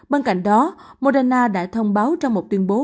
bên cạnh đó moderna đã thông báo trong một tuyên bố